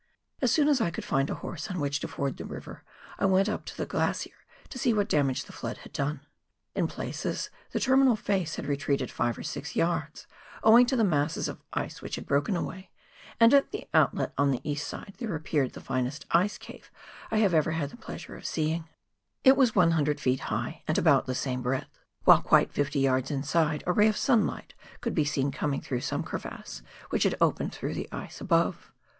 As soon as I could find a horse on which to ford the river, I went up to the glacier to see what damage the flood had done. In places the terminal face had retreated five or six yards owing to the masses of ice which had broken away, and at the outlet on the east side there appeared the finest ice cave I have ever had the pleasure of seeing. It was 100 ft. high, and about the same breadth, while quite fifty yards inside a ray of sunlight could be seen coming through some crevasse which had opened through the ice above.